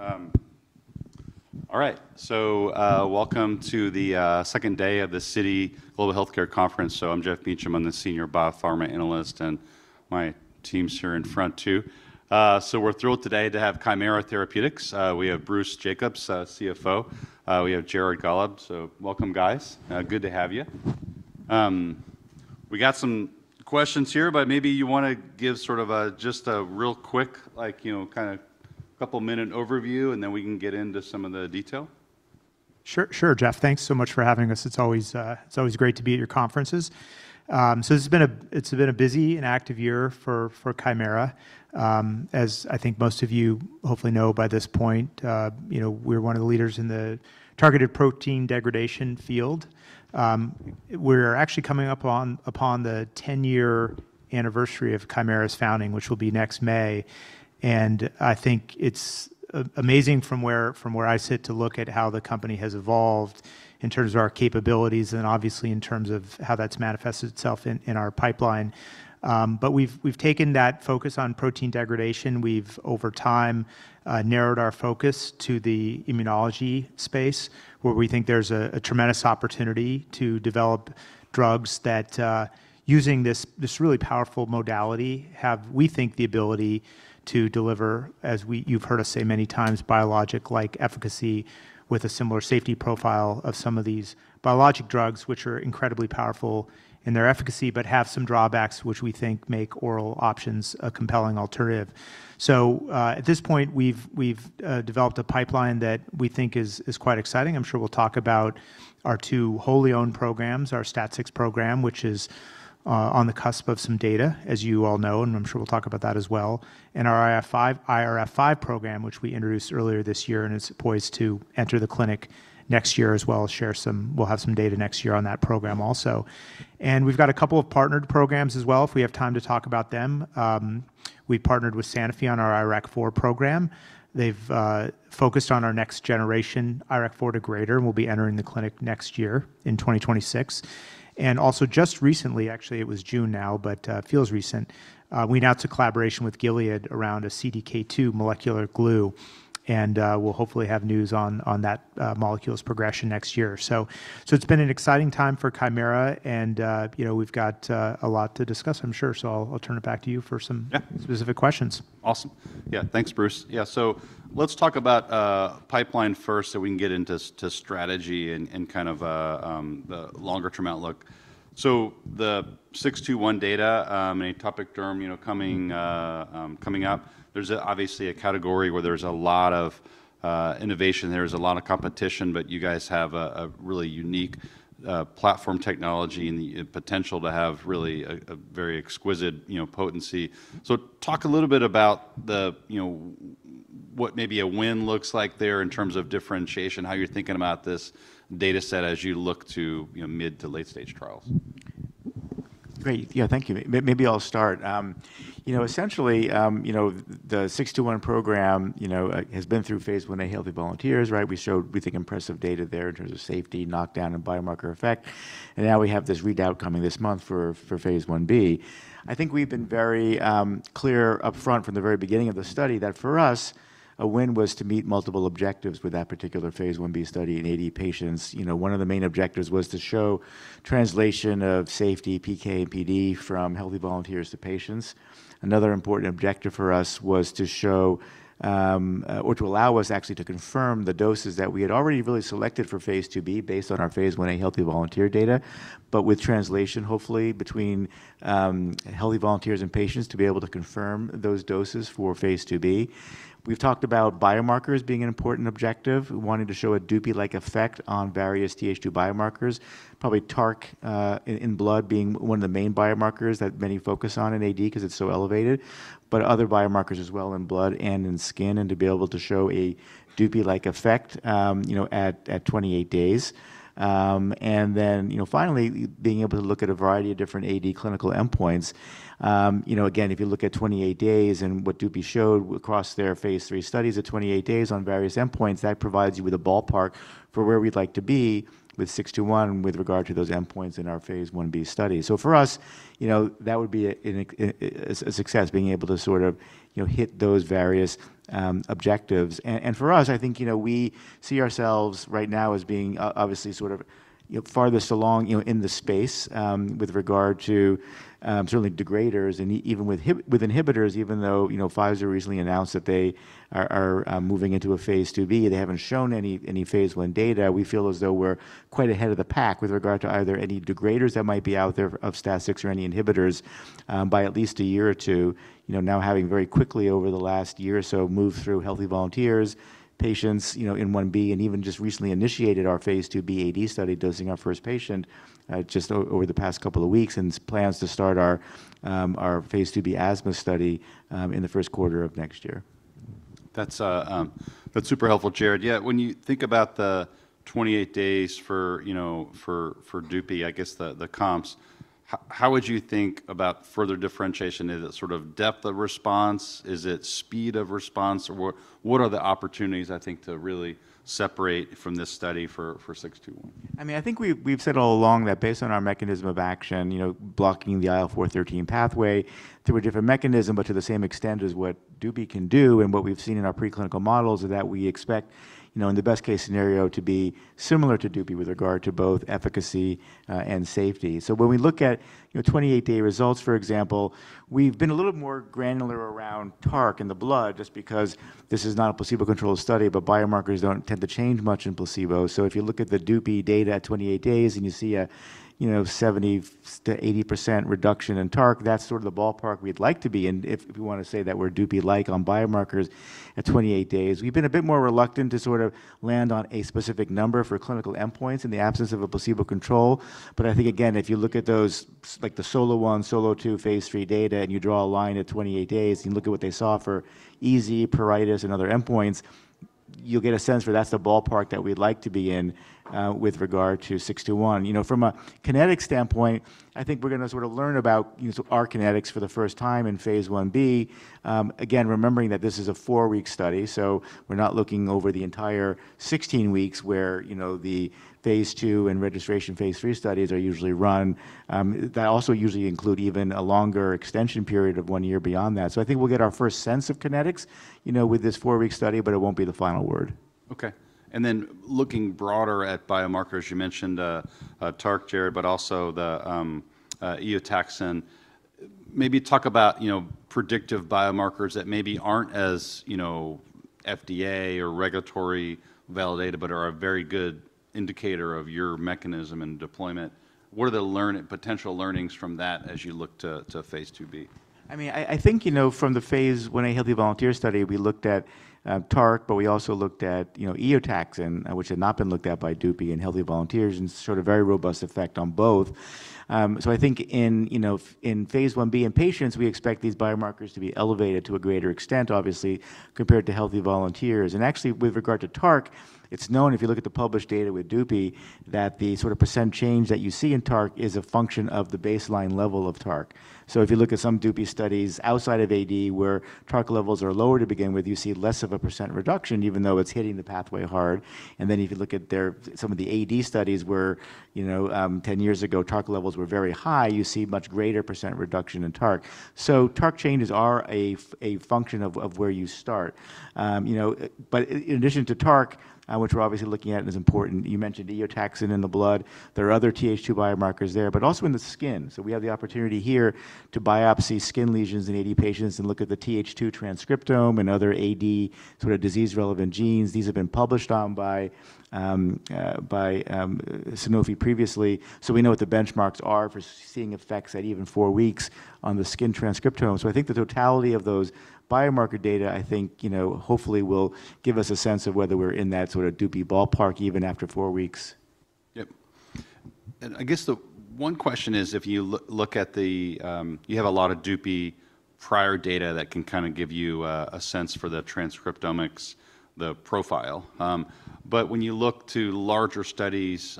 Let's do this. All right, so welcome to the second day of the Citi Global Healthcare Conference. So I'm Geoff Meacham. I'm the senior biopharma analyst, and my team's here in front too. So we're thrilled today to have Kymera Therapeutics. We have Bruce Jacobs, CFO. We have Jared Gollob. So welcome, guys. Good to have you. We got some questions here, but maybe you want to give sort of just a real quick, like, you know, kind of couple-minute overview, and then we can get into some of the detail. Sure, sure, Geoff. Thanks so much for having us. It's always great to be at your conferences. So this has been a busy and active year for Kymera. As I think most of you hopefully know by this point, you know, we're one of the leaders in the targeted protein degradation field. We're actually coming up upon the 10-year anniversary of Kymera's founding, which will be next May. And I think it's amazing from where I sit to look at how the company has evolved in terms of our capabilities and obviously in terms of how that's manifested itself in our pipeline. But we've taken that focus on protein degradation. We've, over time, narrowed our focus to the immunology space, where we think there's a tremendous opportunity to develop drugs that, using this really powerful modality, have, we think, the ability to deliver, as you've heard us say many times, biologic-like efficacy with a similar safety profile of some of these biologic drugs, which are incredibly powerful in their efficacy but have some drawbacks, which we think make oral options a compelling alternative. So at this point, we've developed a pipeline that we think is quite exciting. I'm sure we'll talk about our two wholly owned programs, our STAT6 program, which is on the cusp of some data, as you all know, and I'm sure we'll talk about that as well, and our IRF5 program, which we introduced earlier this year and is poised to enter the clinic next year as well. We'll have some data next year on that program also, and we've got a couple of partnered programs as well, if we have time to talk about them. We partnered with Sanofi on our IRAK4 program. They've focused on our next-generation IRAK4 degrader, and we'll be entering the clinic next year in 2026, and also, just recently, actually, it was June now, but feels recent, we announced a collaboration with Gilead around a CDK2 molecular glue, and we'll hopefully have news on that molecule's progression next year, so it's been an exciting time for Kymera, and we've got a lot to discuss, I'm sure, so I'll turn it back to you for some specific questions. Awesome. Yeah, thanks, Bruce. Yeah, so let's talk about pipeline first so we can get into strategy and kind of the longer-term outlook. So the 621 data in atopic dermatitis, you know, coming up, there's obviously a category where there's a lot of innovation. There's a lot of competition, but you guys have a really unique platform technology and the potential to have really a very exquisite potency. So talk a little bit about what maybe a win looks like there in terms of differentiation, how you're thinking about this data set as you look to mid- to late-stage trials. Great. Yeah, thank you. Maybe I'll start. You know, essentially, you know, the 621 program has been through Phase IA, healthy volunteers, right? We think impressive data there in terms of safety, knockdown, and biomarker effect. And now we have this readout coming this month for Phase IB. I think we've been very clear upfront from the very beginning of the study that for us, a win was to meet multiple objectives with that particular Phase IB study in 80 patients. You know, one of the main objectives was to show translation of safety, PK, and PD from healthy volunteers to patients. Another important objective for us was to show, or to allow us actually to confirm the doses that we had already really selected for Phase IIB based on our Phase IA healthy volunteer data, but with translation, hopefully, between healthy volunteers and patients to be able to confirm those doses for Phase IIB. We've talked about biomarkers being an important objective, wanting to show a Dupi-like effect on various Th2 biomarkers, probably TARC in blood being one of the main biomarkers that many focus on in AD because it's so elevated, but other biomarkers as well in blood and in skin, and to be able to show a Dupi-like effect at 28 days. And then, you know, finally, being able to look at a variety of different AD clinical endpoints. You know, again, if you look at 28 days and what Dupi showed across their Phase III studies at 28 days on various endpoints, that provides you with a ballpark for where we'd like to be with 621 with regard to those endpoints in our Phase IB study, so for us, you know, that would be a success, being able to sort of hit those various objectives, and for us, I think, you know, we see ourselves right now as being obviously sort of farthest along in the space with regard to certainly degraders. Even with inhibitors, even though Pfizer recently announced that they are moving into a Phase IIB, they haven't shown any Phase I data. We feel as though we're quite ahead of the pack with regard to either any degraders that might be out there of STAT6 or any inhibitors by at least a year or two, you know, now having very quickly over the last year or so moved through healthy volunteers, patients in I-B, and even just recently initiated our Phase II AD study dosing our first patient just over the past couple of weeks and plans to start our Phase IIB asthma study in the first quarter of next year. That's super helpful, Jared. Yeah, when you think about the 28 days for Dupi, I guess the comps, how would you think about further differentiation? Is it sort of depth of response? Is it speed of response? What are the opportunities, I think, to really separate from this study for 621? I mean, I think we've said all along that based on our mechanism of action, you know, blocking the IL-4/13 pathway through a different mechanism, but to the same extent as what Dupi can do and what we've seen in our preclinical models is that we expect, you know, in the best case scenario, to be similar to Dupi with regard to both efficacy and safety. So when we look at 28-day results, for example, we've been a little more granular around TARC in the blood just because this is not a placebo-controlled study, but biomarkers don't tend to change much in placebo. So if you look at the Dupi data at 28 days and you see a 70%-80% reduction in TARC, that's sort of the ballpark we'd like to be. And if you want to say that we're Dupi-like on biomarkers at 28 days, we've been a bit more reluctant to sort of land on a specific number for clinical endpoints in the absence of a placebo control. But I think, again, if you look at those, like the SOLO-1, SOLO-2, Phase III data, and you draw a line at 28 days, and you look at what they saw for EASI, pruritus, and other endpoints, you'll get a sense for that's the ballpark that we'd like to be in with regard to 621. You know, from a kinetic standpoint, I think we're going to sort of learn about our kinetics for the first time in Phase IB, again, remembering that this is a four-week study. So we're not looking over the entire 16 weeks where the Phase II and registration Phase III studies are usually run. That also usually include even a longer extension period of one year beyond that. So I think we'll get our first sense of kinetics with this four-week study, but it won't be the final word. Okay. And then looking broader at biomarkers, you mentioned TARC, Jared, but also the Eotaxin. Maybe talk about predictive biomarkers that maybe aren't as FDA or regulatory validated, but are a very good indicator of your mechanism and deployment. What are the potential learnings from that as you look to Phase IIB? I mean, I think, you know, from the Phase IA healthy volunteer study, we looked at TARC, but we also looked at Eotaxin, which had not been looked at by Dupi in healthy volunteers and showed a very robust effect on both. So I think in Phase IB in patients, we expect these biomarkers to be elevated to a greater extent, obviously, compared to healthy volunteers. Actually, with regard to TARC, it's known, if you look at the published data with Dupi, that the sort of percent change that you see in TARC is a function of the baseline level of TARC. So if you look at some Dupi studies outside of AD where TARC levels are lower to begin with, you see less of a percent reduction, even though it's hitting the pathway hard. And then if you look at some of the AD studies where 10 years ago, TARC levels were very high, you see much greater % reduction in TARC. So TARC changes are a function of where you start. But in addition to TARC, which we're obviously looking at and is important, you mentioned Eotaxin in the blood. There are other Th2 biomarkers there, but also in the skin. So we have the opportunity here to biopsy skin lesions in AD patients and look at the Th2 transcriptome and other AD sort of disease-relevant genes. These have been published by Sanofi previously. So we know what the benchmarks are for seeing effects at even four weeks on the skin transcriptome. I think the totality of those biomarker data, I think, you know, hopefully will give us a sense of whether we're in that sort of Dupi ballpark even after four weeks. Yep. And I guess the one question is, if you look at the, you have a lot of Dupi prior data that can kind of give you a sense for the transcriptomics, the profile. But when you look to larger studies,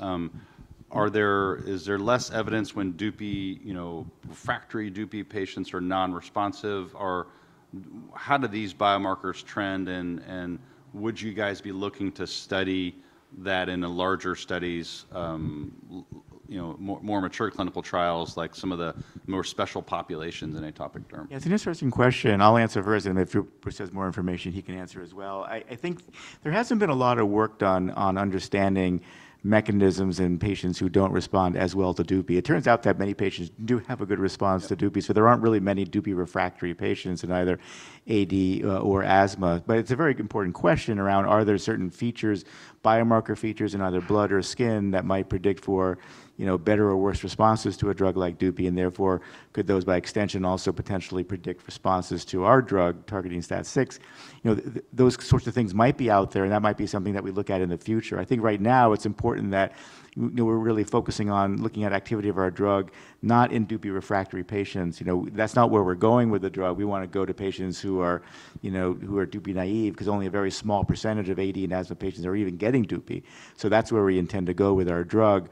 is there less evidence when Dupi, you know, refractory Dupi patients are non-responsive? How do these biomarkers trend? And would you guys be looking to study that in larger studies, you know, more mature clinical trials, like some of the more special populations in atopic dermatitis? Yeah, it's an interesting question. I'll answer first, and if Bruce has more information, he can answer as well. I think there hasn't been a lot of work done on understanding mechanisms in patients who don't respond as well to Dupi. It turns out that many patients do have a good response to Dupi. So there aren't really many Dupi refractory patients in either AD or asthma. But it's a very important question around, are there certain features, biomarker features in either blood or skin that might predict for better or worse responses to a drug like Dupi? And therefore, could those by extension also potentially predict responses to our drug targeting STAT6? Those sorts of things might be out there, and that might be something that we look at in the future. I think right now, it's important that we're really focusing on looking at activity of our drug, not in Dupi refractory patients. That's not where we're going with the drug. We want to go to patients who are Dupi naive because only a very small percentage of AD and asthma patients are even getting Dupi. So that's where we intend to go with our drug.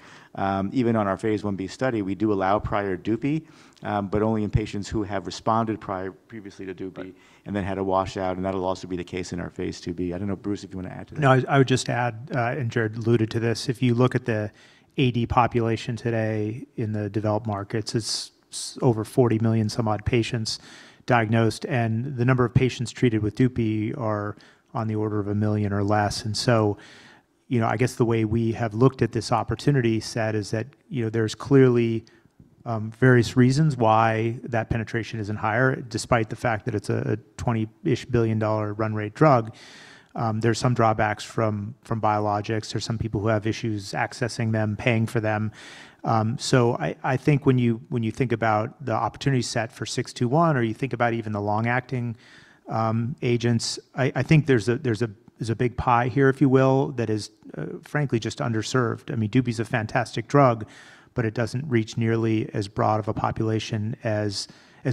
Even on our Phase IB study, we do allow prior Dupi, but only in patients who have responded previously to Dupi and then had a washout. And that'll also be the case in our Phase IIB. I don't know, Bruce, if you want to add to that. No, I would just add, and Jared alluded to this. If you look at the AD population today in the developed markets, it's over 40 million some odd patients diagnosed. And the number of patients treated with Dupi are on the order of a million or less. And so, you know, I guess the way we have looked at this opportunity set is that there's clearly various reasons why that penetration isn't higher, despite the fact that it's a $20-ish billion run rate drug. There's some drawbacks from biologics. There's some people who have issues accessing them, paying for them. So I think when you think about the opportunity set for 621, or you think about even the long-acting agents, I think there's a big pie here, if you will, that is frankly just underserved. I mean, Dupi is a fantastic drug, but it doesn't reach nearly as broad of a population as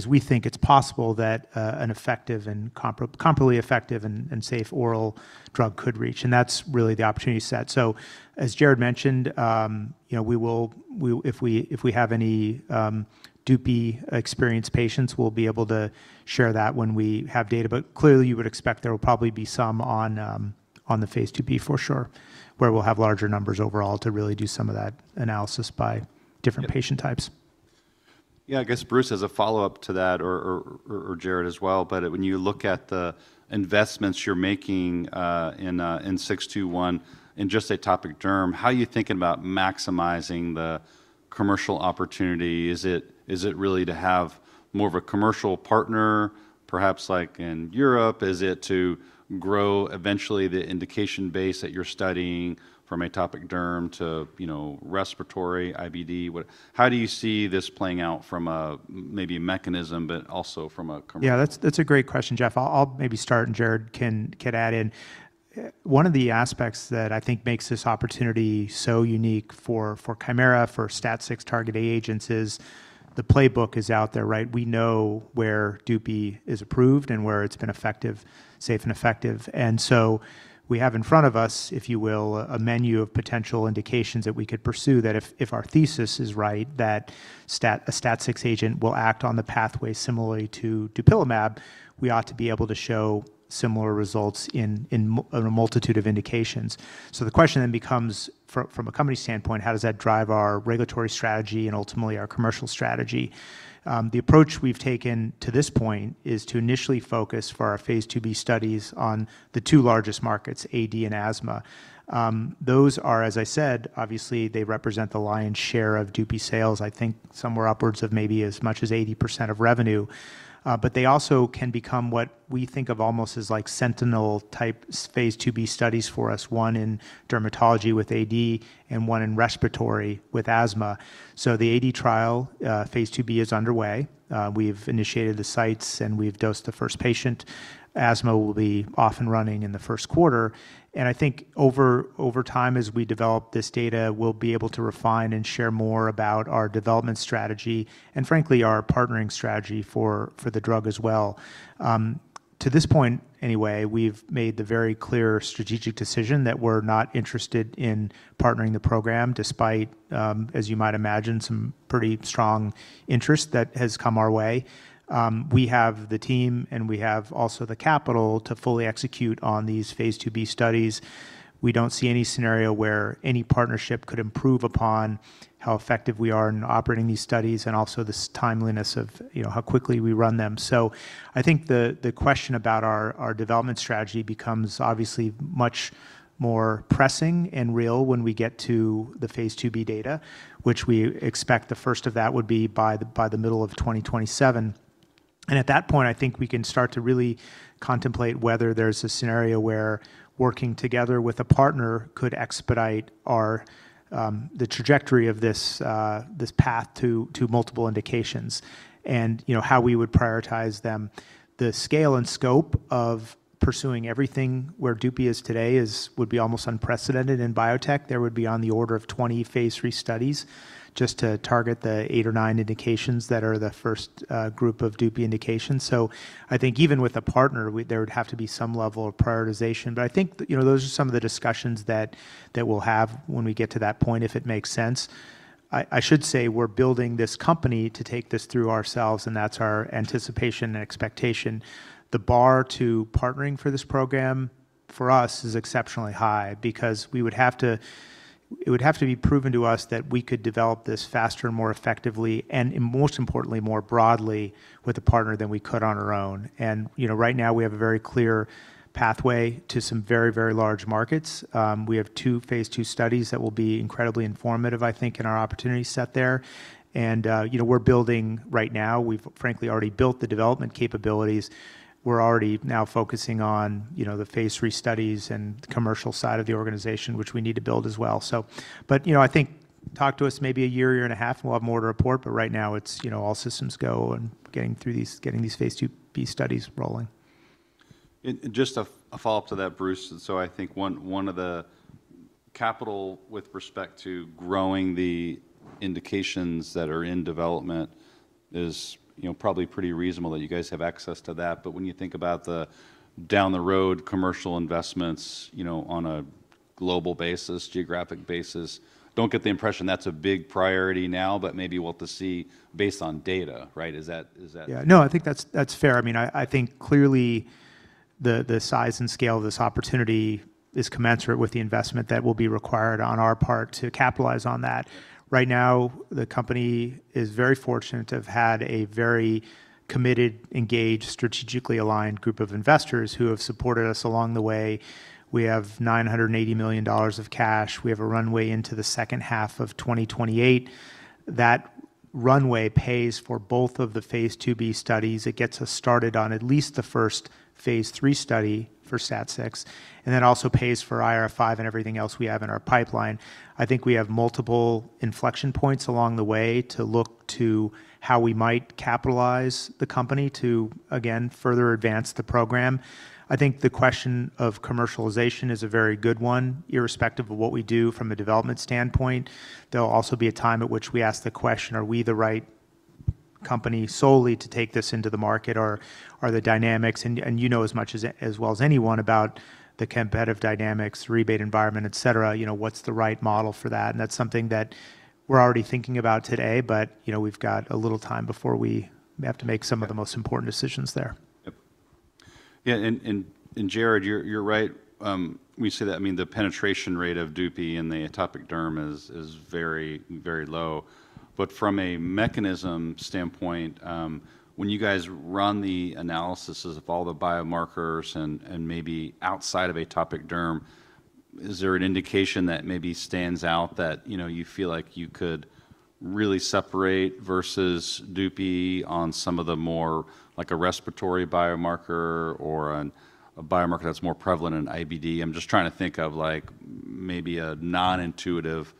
we think it's possible that an effective and comparably effective and safe oral drug could reach, and that's really the opportunity set, so as Jared mentioned, you know, if we have any Dupi experienced patients, we'll be able to share that when we have data, but clearly, you would expect there will probably be some on the Phase IIB for sure, where we'll have larger numbers overall to really do some of that analysis by different patient types. Yeah, I guess Bruce has a follow-up to that, or Jared as well. But when you look at the investments you're making in 621 in just atopic derm, how are you thinking about maximizing the commercial opportunity? Is it really to have more of a commercial partner, perhaps like in Europe? Is it to grow eventually the indication base that you're studying from atopic derm to respiratory IBD? How do you see this playing out from maybe a mechanism, but also from a commercial? Yeah, that's a great question, Jeff. I'll maybe start, and Jared can add in. One of the aspects that I think makes this opportunity so unique for Kymera, for STAT6 targeted agents is the playbook is out there, right? We know where Dupi is approved and where it's been effective, safe and effective. And so we have in front of us, if you will, a menu of potential indications that we could pursue that if our thesis is right, that a STAT6 agent will act on the pathway similarly to Dupilumab, we ought to be able to show similar results in a multitude of indications. So the question then becomes, from a company standpoint, how does that drive our regulatory strategy and ultimately our commercial strategy? The approach we've taken to this point is to initially focus for our Phase IIB studies on the two largest markets, AD and asthma. Those are, as I said, obviously, they represent the lion's share of Dupi sales, I think somewhere upwards of maybe as much as 80% of revenue. But they also can become what we think of almost as like sentinel type Phase IIB studies for us, one in dermatology with AD and one in respiratory with asthma. So the AD trial Phase IIB is underway. We've initiated the sites and we've dosed the first patient. Asthma will be off and running in the first quarter. And I think over time, as we develop this data, we'll be able to refine and share more about our development strategy and frankly, our partnering strategy for the drug as well. To this point, anyway, we've made the very clear strategic decision that we're not interested in partnering the program despite, as you might imagine, some pretty strong interest that has come our way. We have the team and we have also the capital to fully execute on these Phase IIB studies. We don't see any scenario where any partnership could improve upon how effective we are in operating these studies and also the timeliness of how quickly we run them. So I think the question about our development strategy becomes obviously much more pressing and real when we get to the Phase IIB data, which we expect the first of that would be by the middle of 2027. At that point, I think we can start to really contemplate whether there's a scenario where working together with a partner could expedite the trajectory of this path to multiple indications and how we would prioritize them. The scale and scope of pursuing everything where Dupi is today would be almost unprecedented in biotech. There would be on the order of 20 Phase III studies just to target the eight or nine indications that are the first group of Dupi indications. So I think even with a partner, there would have to be some level of prioritization. But I think those are some of the discussions that we'll have when we get to that point, if it makes sense. I should say we're building this company to take this through ourselves, and that's our anticipation and expectation. The bar to partnering for this program for us is exceptionally high because we would have to, it would have to be proven to us that we could develop this faster and more effectively and most importantly, more broadly with a partner than we could on our own, and right now, we have a very clear pathway to some very, very large markets. We have two Phase II studies that will be incredibly informative, I think, in our opportunity set there, and we're building right now. We've frankly already built the development capabilities. We're already now focusing on the Phase III studies and the commercial side of the organization, which we need to build as well, but I think talk to us maybe a year, year and a half, and we'll have more to report. But right now, it's all systems go and getting through these Phase IIB studies rolling. Just a follow-up to that, Bruce. So I think one of the capital with respect to growing the indications that are in development is probably pretty reasonable that you guys have access to that. But when you think about the down-the-road commercial investments on a global basis, geographic basis, don't get the impression that's a big priority now, but maybe we'll have to see based on data, right? Is that? Yeah, no, I think that's fair. I mean, I think clearly the size and scale of this opportunity is commensurate with the investment that will be required on our part to capitalize on that. Right now, the company is very fortunate to have had a very committed, engaged, strategically aligned group of investors who have supported us along the way. We have $980 million of cash. We have a runway into the second half of 2028. That runway pays for both of the Phase IIB studies. It gets us started on at least the first Phase III study for STAT6 and then also pays for IRF5 and everything else we have in our pipeline. I think we have multiple inflection points along the way to look to how we might capitalize the company to, again, further advance the program. I think the question of commercialization is a very good one, irrespective of what we do from a development standpoint. There'll also be a time at which we ask the question, are we the right company solely to take this into the market? Are the dynamics, and you know as much as well as anyone about the competitive dynamics, rebate environment, et cetera, what's the right model for that? And that's something that we're already thinking about today, but we've got a little time before we have to make some of the most important decisions there. Yeah, and Jared, you're right. We say that, I mean, the penetration rate of Dupi in the atopic derm is very, very low. But from a mechanism standpoint, when you guys run the analysis of all the biomarkers and maybe outside of an atopic derm, is there an indication that maybe stands out that you feel like you could really separate versus Dupi on some of the more like a respiratory biomarker or a biomarker that's more prevalent in IBD? I'm just trying to think of like maybe a non-intuitive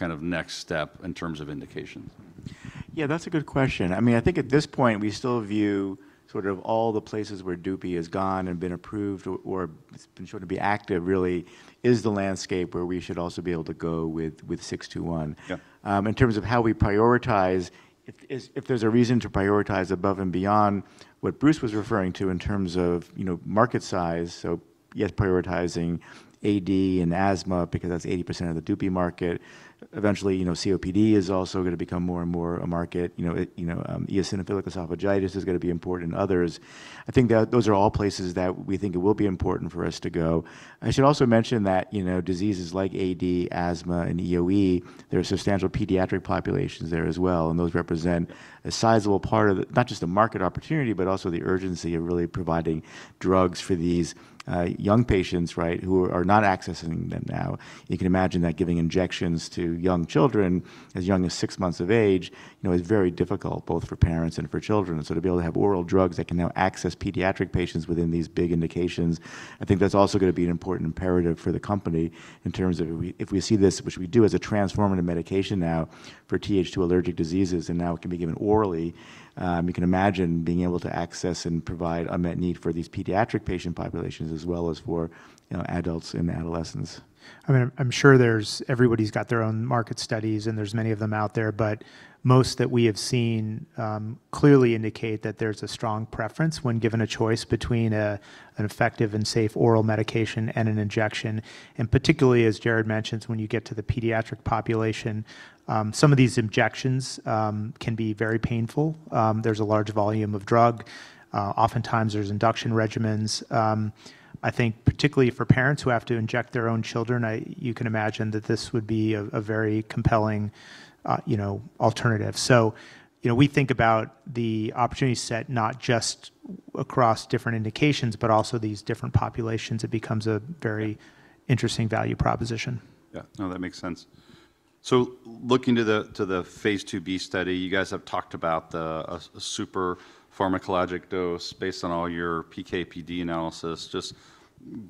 kind of next step in terms of indications. Yeah, that's a good question. I mean, I think at this point, we still view sort of all the places where Dupi has gone and been approved or has been shown to be active really is the landscape where we should also be able to go with 621. In terms of how we prioritize, if there's a reason to prioritize above and beyond what Bruce was referring to in terms of market size, so yes, prioritizing AD and asthma because that's 80% of the Dupi market. Eventually, COPD is also going to become more and more a market. Eosinophilic esophagitis is going to be important in others. I think those are all places that we think it will be important for us to go. I should also mention that diseases like AD, asthma, and EoE, there are substantial pediatric populations there as well. Those represent a sizable part of not just the market opportunity, but also the urgency of really providing drugs for these young patients who are not accessing them now. You can imagine that giving injections to young children as young as six months of age is very difficult, both for parents and for children. So to be able to have oral drugs that can now access pediatric patients within these big indications, I think that's also going to be an important imperative for the company in terms of if we see this, which we do as a transformative medication now for Th2 allergic diseases and now it can be given orally, you can imagine being able to access and provide unmet need for these pediatric patient populations as well as for adults and adolescents. I mean, I'm sure everybody's got their own market studies and there's many of them out there, but most that we have seen clearly indicate that there's a strong preference when given a choice between an effective and safe oral medication and an injection, and particularly, as Jared mentioned, when you get to the pediatric population, some of these injections can be very painful. There's a large volume of drug. Oftentimes, there's induction regimens. I think particularly for parents who have to inject their own children, you can imagine that this would be a very compelling alternative, so we think about the opportunity set not just across different indications, but also these different populations. It becomes a very interesting value proposition. Yeah, no, that makes sense. So looking to the Phase IIB study, you guys have talked about a super pharmacologic dose based on all your PK/PD analysis. Just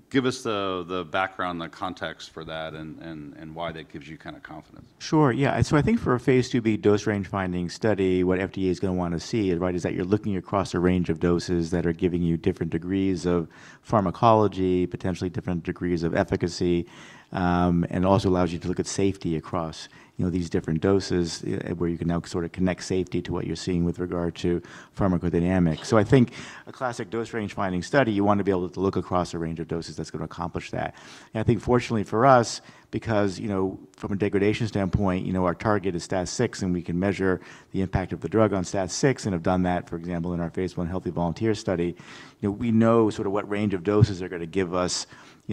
give us the background, the context for that and why that gives you kind of confidence. Sure, yeah. So I think for a Phase IIB dose range finding study, what FDA is going to want to see is that you're looking across a range of doses that are giving you different degrees of pharmacology, potentially different degrees of efficacy, and also allows you to look at safety across these different doses where you can now sort of connect safety to what you're seeing with regard to pharmacodynamics. So I think a classic dose range finding study, you want to be able to look across a range of doses that's going to accomplish that. I think fortunately for us, because from a degradation standpoint, our target is STAT6 and we can measure the impact of the drug on STAT6 and have done that, for example, in our Phase I healthy volunteer study. We know sort of what range of doses are going to give us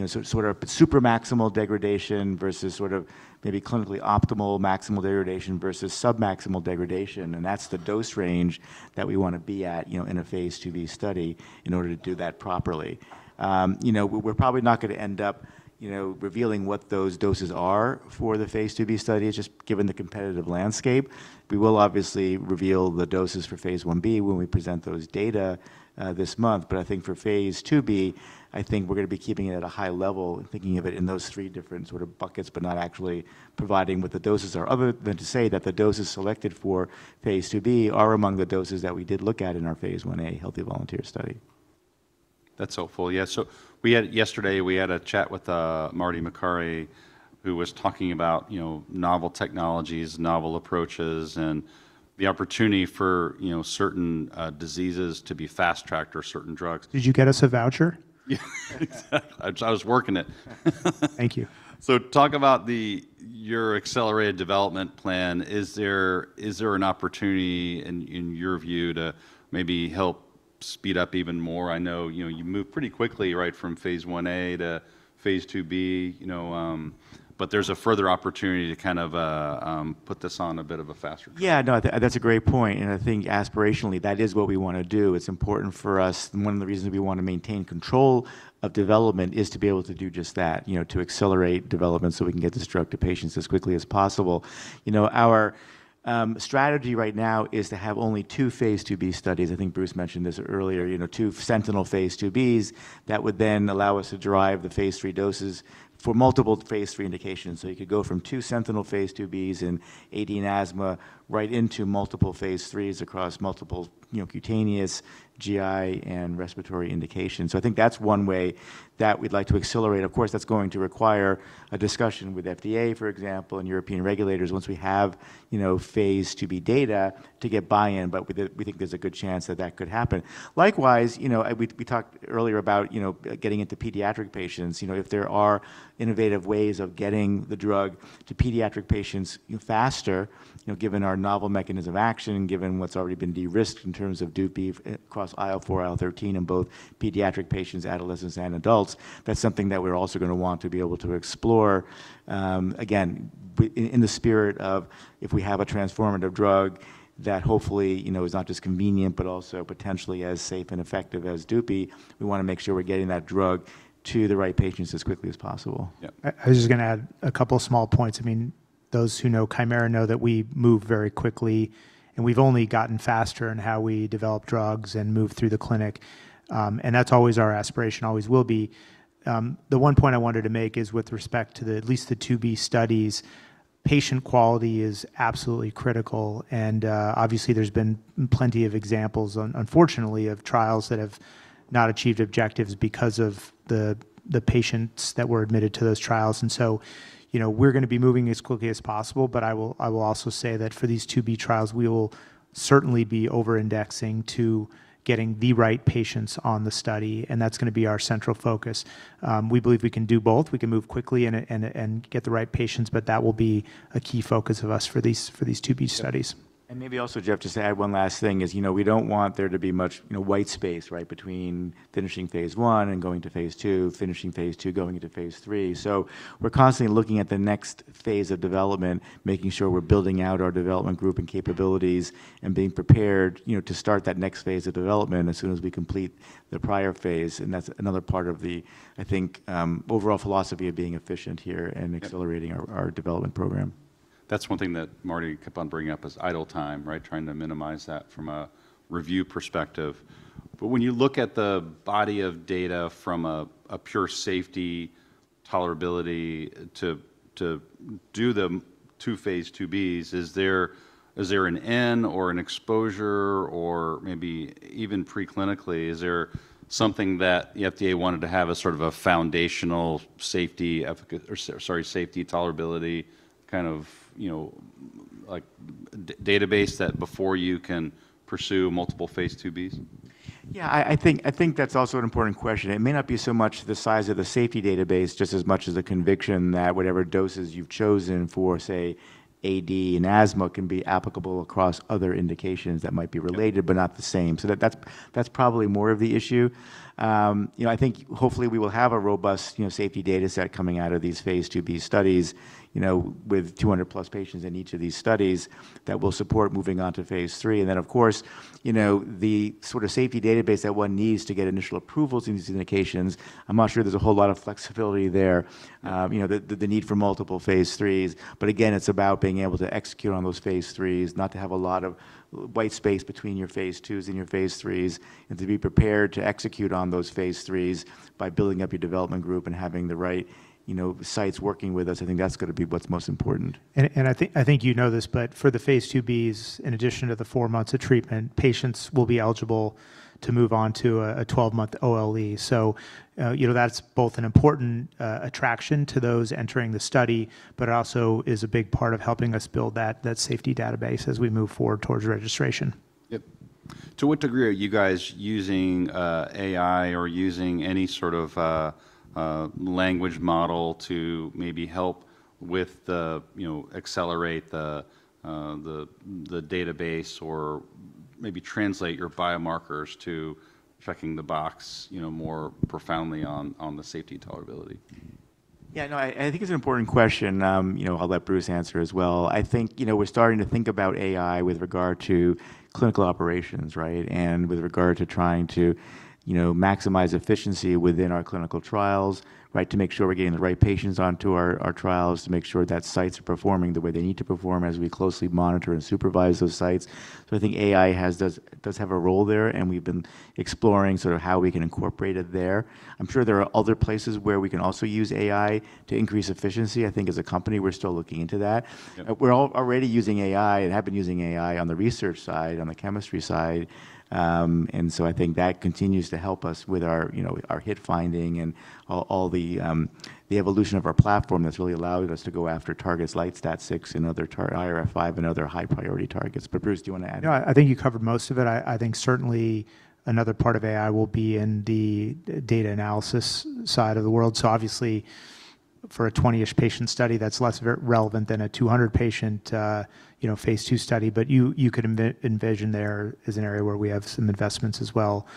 sort of super maximal degradation versus sort of maybe clinically optimal maximal degradation versus submaximal degradation, and that's the dose range that we want to be at in a Phase IIB study in order to do that properly. We're probably not going to end up revealing what those doses are for the Phase IIB study, just given the competitive landscape. We will obviously reveal the doses for Phase IB when we present those data this month. I think for Phase IIB, I think we're going to be keeping it at a high level and thinking of it in those three different sort of buckets, but not actually providing what the doses are, other than to say that the doses selected for Phase IIB are among the doses that we did look at in our Phase IA healthy volunteer study. That's helpful. Yeah. So yesterday, we had a chat with Marty Makary, who was talking about novel technologies, novel approaches, and the opportunity for certain diseases to be fast-tracked or certain drugs. Did you get us a voucher? Yeah, exactly. I was working it. Thank you. So talk about your accelerated development plan. Is there an opportunity in your view to maybe help speed up even more? I know you move pretty quickly from Phase IA to Phase IIB, but there's a further opportunity to kind of put this on a bit of a faster track. Yeah, no, that's a great point. And I think aspirationally, that is what we want to do. It's important for us. One of the reasons we want to maintain control of development is to be able to do just that, to accelerate development so we can get this drug to patients as quickly as possible. Our strategy right now is to have only two Phase IIB studies. I think Bruce mentioned this earlier, two sentinel Phase IIBs that would then allow us to drive the Phase III doses for multiple Phase III indications. So you could go from two sentinel Phase IIBs in AD and asthma right into multiple Phase IIIs across multiple cutaneous, GI, and respiratory indications. So I think that's one way that we'd like to accelerate. Of course, that's going to require a discussion with FDA, for example, and European regulators once we have Phase IIB data to get buy-in. But we think there's a good chance that that could happen. Likewise, we talked earlier about getting into pediatric patients. If there are innovative ways of getting the drug to pediatric patients faster, given our novel mechanism of action, given what's already been de-risked in terms of Dupi across IL-4, IL-13 in both pediatric patients, adolescents, and adults, that's something that we're also going to want to be able to explore. Again, in the spirit of if we have a transformative drug that hopefully is not just convenient, but also potentially as safe and effective as Dupi, we want to make sure we're getting that drug to the right patients as quickly as possible. I was just going to add a couple of small points. I mean, those who know Kymera know that we move very quickly, and we've only gotten faster in how we develop drugs and move through the clinic. And that's always our aspiration, always will be. The one point I wanted to make is with respect to at least the II-B studies, patient quality is absolutely critical. And obviously, there's been plenty of examples, unfortunately, of trials that have not achieved objectives because of the patients that were admitted to those trials. And so we're going to be moving as quickly as possible. But I will also say that for these II-B trials, we will certainly be over-indexing to getting the right patients on the study. And that's going to be our central focus. We believe we can do both. We can move quickly and get the right patients, but that will be a key focus of us for these II-B studies. And maybe also, Geoff, just to add one last thing is we don't want there to be much white space between finishing phase one and going to Phase II, finishing Phase II, going into Phase III. So we're constantly looking at the next phase of development, making sure we're building out our development group and capabilities and being prepared to start that next phase of development as soon as we complete the prior phase. And that's another part of the, I think, overall philosophy of being efficient here and accelerating our development program. That's one thing that Marty kept on bringing up is idle time, right? Trying to minimize that from a review perspective. But when you look at the body of data from a pure safety, tolerability to do the two phase II-Bs, is there an end or an exposure or maybe even preclinically? Is there something that the FDA wanted to have as sort of a foundational safety tolerability kind of database that before you can pursue multiple Phase II-Bs? Yeah, I think that's also an important question. It may not be so much the size of the safety database, just as much as the conviction that whatever doses you've chosen for, say, AD and asthma can be applicable across other indications that might be related, but not the same. So that's probably more of the issue. I think hopefully we will have a robust safety dataset coming out of these Phase IIB studies with 200 plus patients in each of these studies that will support moving on to Phase III. And then, of course, the sort of safety database that one needs to get initial approvals in these indications, I'm not sure there's a whole lot of flexibility there, the need for multiple phase IIIs. But again, it's about being able to execute on those Phase IIIs, not to have a lot of white space between your Phase IIs and your Phase IIIs, and to be prepared to execute on those Phase IIIs by building up your development group and having the right sites working with us. I think that's going to be what's most important. I think you know this, but for the phase II-Bs, in addition to the four months of treatment, patients will be eligible to move on to a 12-month OLE. So that's both an important attraction to those entering the study, but it also is a big part of helping us build that safety database as we move forward towards registration. Yep. To what degree are you guys using AI or using any sort of language model to maybe help with accelerate the database or maybe translate your biomarkers to checking the box more profoundly on the safety tolerability? Yeah, no, I think it's an important question. I'll let Bruce answer as well. I think we're starting to think about AI with regard to clinical operations and with regard to trying to maximize efficiency within our clinical trials to make sure we're getting the right patients onto our trials to make sure that sites are performing the way they need to perform as we closely monitor and supervise those sites. So I think AI does have a role there, and we've been exploring sort of how we can incorporate it there. I'm sure there are other places where we can also use AI to increase efficiency. I think as a company, we're still looking into that. We're already using AI and have been using AI on the research side, on the chemistry side. And so I think that continues to help us with our hit finding and all the evolution of our platform that's really allowed us to go after targets like STAT6 and other IRF5 and other high priority targets. But Bruce, do you want to add? No, I think you covered most of it. I think certainly another part of AI will be in the data analysis side of the world, so obviously, for a 20-ish patient study, that's less relevant than a 200-patient Phase II study, but you could envision there is an area where we have some investments as well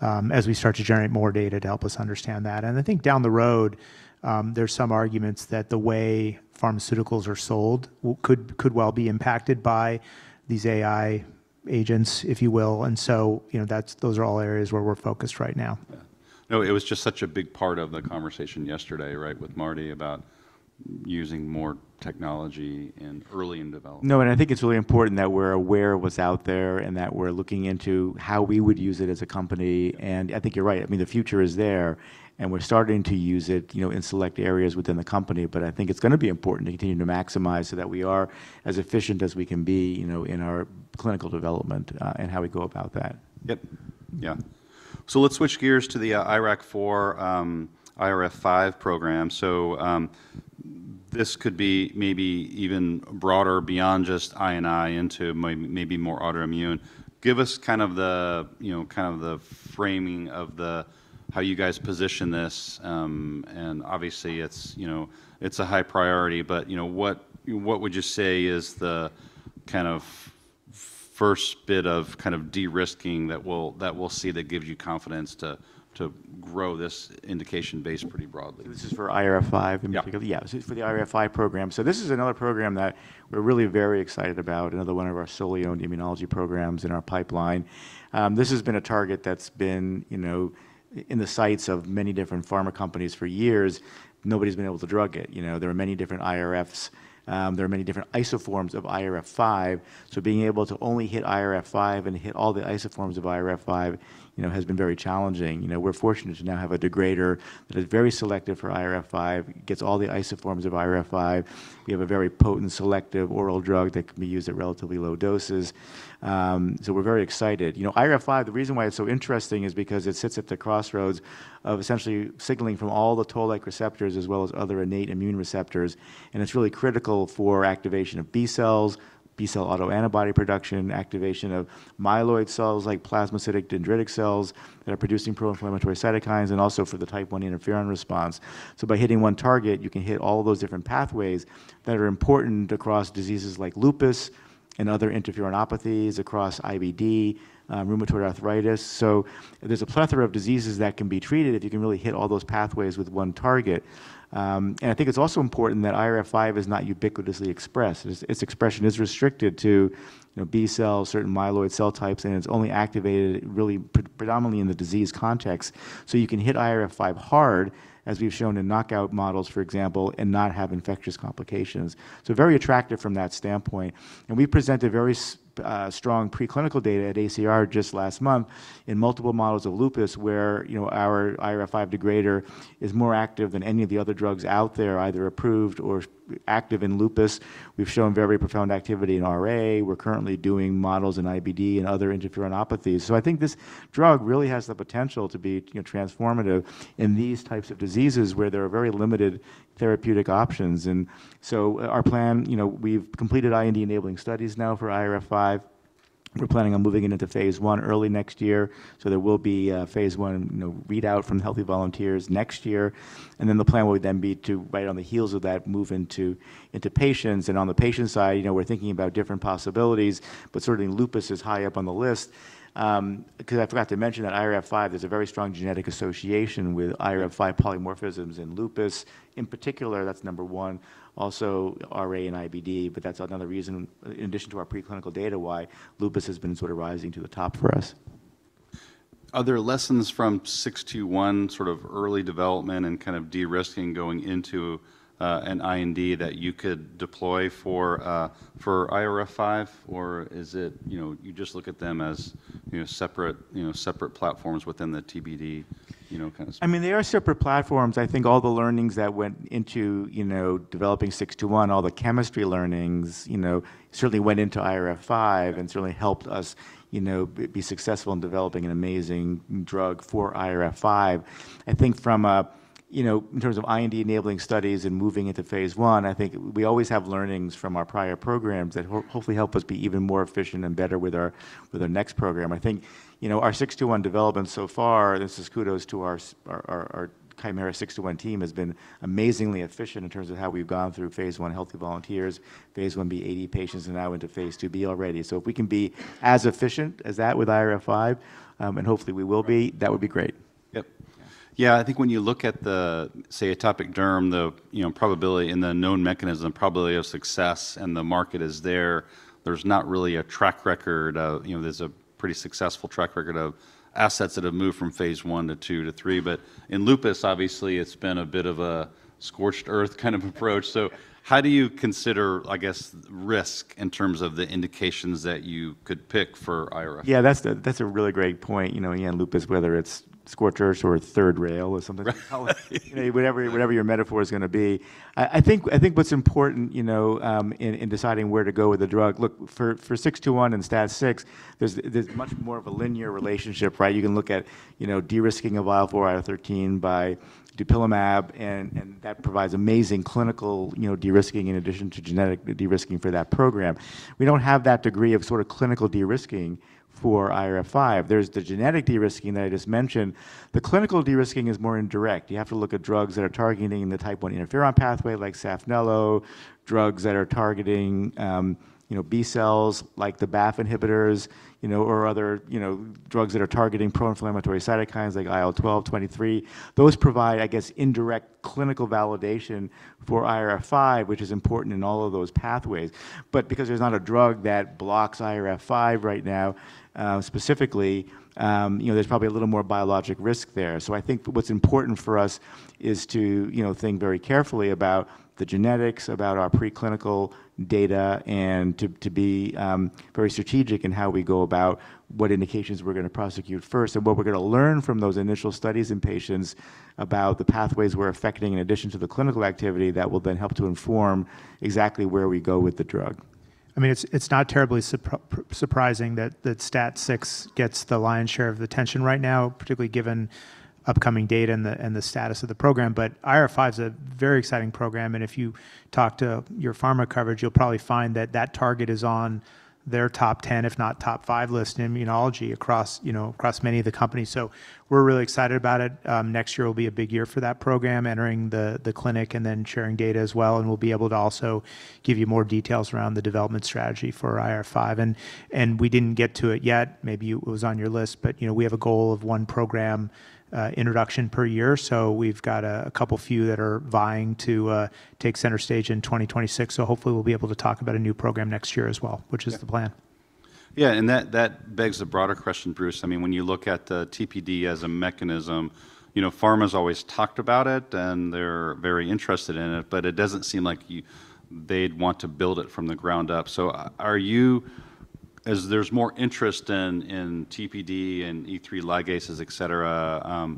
as we start to generate more data to help us understand that, and I think down the road, there's some arguments that the way pharmaceuticals are sold could well be impacted by these AI agents, if you will, and so those are all areas where we're focused right now. Yeah. No, it was just such a big part of the conversation yesterday with Marty about using more technology and early in development. No, and I think it's really important that we're aware of what's out there and that we're looking into how we would use it as a company, and I think you're right. I mean, the future is there, and we're starting to use it in select areas within the company, but I think it's going to be important to continue to maximize so that we are as efficient as we can be in our clinical development and how we go about that. Yep. Yeah. So let's switch gears to the IRAK4, IRF5 program. So this could be maybe even broader beyond just IBD into maybe more autoimmune. Give us kind of the framing of how you guys position this. And obviously, it's a high priority. But what would you say is the kind of first bit of kind of de-risking that we'll see that gives you confidence to grow this indication base pretty broadly? This is for IRF5 in particular? Yeah. Yeah, this is for the IRF5 program. So this is another program that we're really very excited about, another one of our solely owned immunology programs in our pipeline. This has been a target that's been in the sights of many different pharma companies for years. Nobody's been able to drug it. There are many different IRFs. There are many different isoforms of IRF5. So being able to only hit IRF5 and hit all the isoforms of IRF5 has been very challenging. We're fortunate to now have a degrader that is very selective for IRF5, gets all the isoforms of IRF5. We have a very potent selective oral drug that can be used at relatively low doses. So we're very excited. IRF5, the reason why it's so interesting is because it sits at the crossroads of essentially signaling from all the Toll-like receptors as well as other innate immune receptors. It's really critical for activation of B cells, B cell autoantibody production, activation of myeloid cells like plasmacytoid dendritic cells that are producing pro-inflammatory cytokines, and also for the type I interferon response. So by hitting one target, you can hit all those different pathways that are important across diseases like lupus and other interferonopathies, across IBD, rheumatoid arthritis. So there's a plethora of diseases that can be treated if you can really hit all those pathways with one target. And I think it's also important that IRF5 is not ubiquitously expressed. Its expression is restricted to B cells, certain myeloid cell types, and it's only activated really predominantly in the disease context. So you can hit IRF5 hard, as we've shown in knockout models, for example, and not have infectious complications. So very attractive from that standpoint. And we presented very strong preclinical data at ACR just last month in multiple models of lupus where our IRF5 degrader is more active than any of the other drugs out there, either approved or active in lupus. We've shown very profound activity in RA. We're currently doing models in IBD and other interferonopathies. So I think this drug really has the potential to be transformative in these types of diseases where there are very limited therapeutic options. And so our plan, we've completed IND enabling studies now for IRF5. We're planning on moving it into Phase I early next year. So there will be a Phase I readout from healthy volunteers next year. And then the plan will then be to, right on the heels of that, move into patients. And on the patient side, we're thinking about different possibilities, but certainly lupus is high up on the list. Because I forgot to mention that IRF5, there's a very strong genetic association with IRF5 polymorphisms in lupus. In particular, that's number one. Also, RA and IBD, but that's another reason, in addition to our preclinical data, why lupus has been sort of rising to the top for us. Are there lessons from 621 sort of early development and kind of de-risking going into an IND that you could deploy for IRF5, or is it you just look at them as separate platforms within the TPD kind of? I mean, they are separate platforms. I think all the learnings that went into developing 621, all the chemistry learnings, certainly went into IRF5 and certainly helped us be successful in developing an amazing drug for IRF5. I think from a, in terms of IND enabling studies and moving into Phase I, I think we always have learnings from our prior programs that hopefully help us be even more efficient and better with our next program. I think our 621 development so far, this is kudos to our Kymera 621 team, has been amazingly efficient in terms of how we've gone through Phase I healthy volunteers, Phase IB AD patients, and now into Phase IIB already. So if we can be as efficient as that with IRF5, and hopefully we will be, that would be great. Yep. Yeah, I think when you look at the, say, atopic derm, the probability in the known mechanism, probability of success, and the market is there, there's not really a track record. There's a pretty successful track record of assets that have moved from Phase I- Phase II- Phase III. But in lupus, obviously, it's been a bit of a scorched earth kind of approach. So how do you consider, I guess, risk in terms of the indications that you could pick for IRF5? Yeah, that's a really great point. Again, Lupus, whether it's scorched earth or third rail or something, whatever your metaphor is going to be. I think what's important in deciding where to go with the drug, look, for 621 and STAT6, there's much more of a linear relationship, right? You can look at de-risking of IL-4, IL-13 by dupilumab, and that provides amazing clinical de-risking in addition to genetic de-risking for that program. We don't have that degree of sort of clinical de-risking for IRF5. There's the genetic de-risking that I just mentioned. The clinical de-risking is more indirect. You have to look at drugs that are targeting the type I interferon pathway, like Saphnelo, drugs that are targeting B cells, like the BAFF inhibitors, or other drugs that are targeting pro-inflammatory cytokines, like IL-12, IL-23. Those provide, I guess, indirect clinical validation for IRF5, which is important in all of those pathways. But because there's not a drug that blocks IRF5 right now specifically, there's probably a little more biologic risk there. So I think what's important for us is to think very carefully about the genetics, about our preclinical data, and to be very strategic in how we go about what indications we're going to prosecute first and what we're going to learn from those initial studies in patients about the pathways we're affecting in addition to the clinical activity that will then help to inform exactly where we go with the drug. I mean, it's not terribly surprising that STAT6 gets the lion's share of the attention right now, particularly given upcoming data and the status of the program. But IRF5 is a very exciting program. And if you talk to your pharma coverage, you'll probably find that that target is on their top 10, if not top five list in immunology across many of the companies. So we're really excited about it. Next year will be a big year for that program, entering the clinic and then sharing data as well. And we'll be able to also give you more details around the development strategy for IRF5. And we didn't get to it yet. Maybe it was on your list, but we have a goal of one program introduction per year. So we've got a couple few that are vying to take center stage in 2026.So hopefully, we'll be able to talk about a new program next year as well, which is the plan. Yeah. And that begs a broader question, Bruce. I mean, when you look at the TPD as a mechanism, pharma has always talked about it, and they're very interested in it, but it doesn't seem like they'd want to build it from the ground up. So as there's more interest in TPD and E3 ligases, et cetera,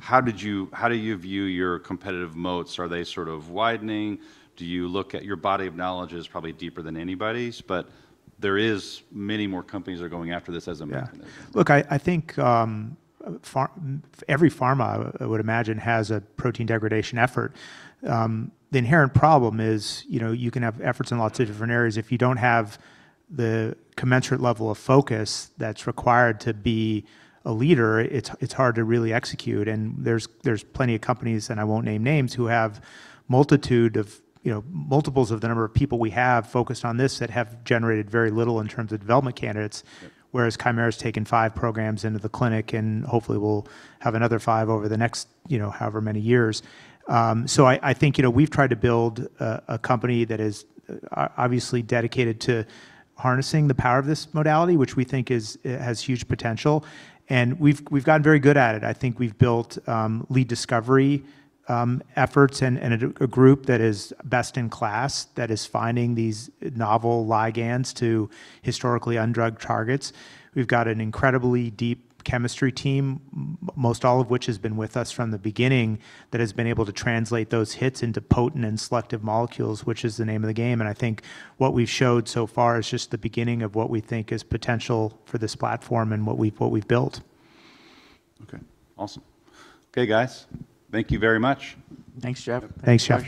how do you view your competitive moats? Are they sort of widening? Do you look at your body of knowledge as probably deeper than anybody's? But there are many more companies that are going after this as a mechanism. Yeah. Look, I think every pharma, I would imagine, has a protein degradation effort. The inherent problem is you can have efforts in lots of different areas. If you don't have the commensurate level of focus that's required to be a leader, it's hard to really execute. And there's plenty of companies, and I won't name names, who have multitudes of multiples of the number of people we have focused on this that have generated very little in terms of development candidates, whereas Kymera has taken five programs into the clinic and hopefully will have another five over the next however many years. So I think we've tried to build a company that is obviously dedicated to harnessing the power of this modality, which we think has huge potential. And we've gotten very good at it. I think we've built lead discovery efforts and a group that is best in class that is finding these novel ligands to historically undrugged targets. We've got an incredibly deep chemistry team, most all of which has been with us from the beginning, that has been able to translate those hits into potent and selective molecules, which is the name of the game, and I think what we've showed so far is just the beginning of what we think is potential for this platform and what we've built. Okay. Awesome. Okay, guys. Thank you very much. Thanks, Geoff. Thanks, Geoff.